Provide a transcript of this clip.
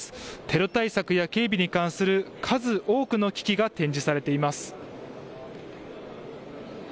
テロ対策や警備に関する数多くの機器が展示されています。